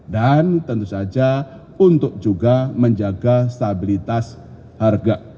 dan tentu saja untuk juga menjaga stabilitas harga